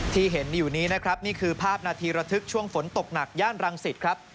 ที่เห็นอยู่นี้นะครับนี่คือภาพนาทีระทึกช่วงฝนตกหนักย่านรังสิตครับ